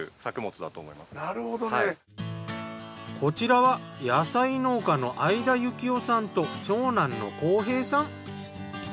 こちらは野菜農家の會田幸夫さんと長男の浩平さん。